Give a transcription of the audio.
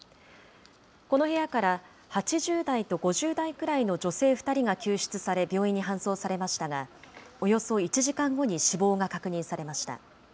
この部屋から８０代と５０代くらいの女性２人が救出され、病院に搬送されましたが、およそ１時間後に死亡が確認されました。